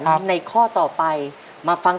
ในข้อต่อไปมาฟัง